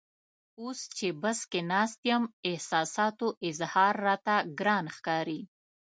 اوس چې بس کې ناست یم احساساتو اظهار راته ګران ښکاري.